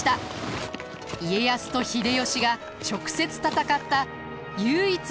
家康と秀吉が直接戦った唯一の大戦です。